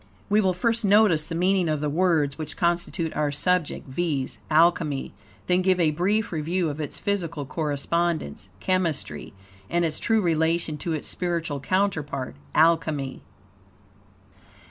We will first notice the meaning of the words which constitute our subject, viz., Alchemy, then give a brief review of its physical correspondence, chemistry, and its true relation to its spiritual counterpart, Alchemy.